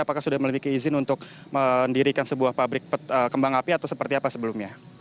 apakah sudah memiliki izin untuk mendirikan sebuah pabrik kembang api atau seperti apa sebelumnya